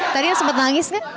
tadi yang sempat nangis deh